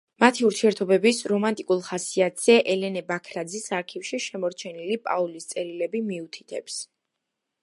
მათი ურთიერთობების რომანტიკულ ხასიათზე ელენე ბაქრაძის არქივში შემორჩენილი პაოლოს წერილები მიუთითებს.